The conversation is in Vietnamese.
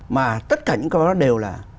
mà tất cả những câu hỏi đó đều là